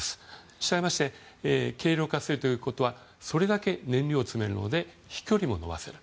したがって軽量化するということはそれだけ燃料を積めるので飛距離も延ばせる。